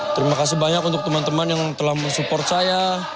terima kasih banyak untuk teman teman yang telah mensupport saya